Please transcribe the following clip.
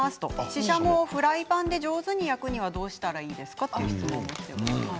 ししゃもをフライパンで上手に焼くにはどうしたらいいですかということです。